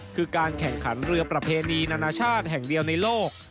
คือการแข่งขันเรือประเพณีนานาชาติแห่งเดียวในโลก